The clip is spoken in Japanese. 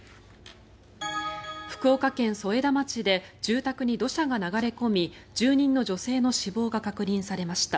福岡県添田町で住宅に土砂が流れ込み住人の女性の死亡が確認されました。